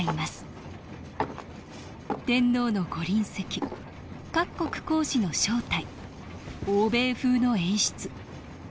天皇の御臨席各国公使の招待欧米風の演出。